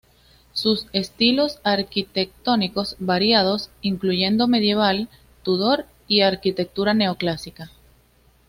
Sus estilos arquitectónicos variados, incluyendo medieval, Tudor, y arquitectura neoclásica.